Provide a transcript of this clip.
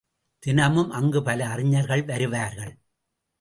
தினமும் அங்கு பல அறிஞர்கள் வருவார்கள்.